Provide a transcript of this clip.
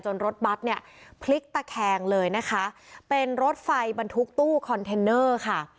รถบัตรเนี่ยพลิกตะแคงเลยนะคะเป็นรถไฟบรรทุกตู้คอนเทนเนอร์ค่ะ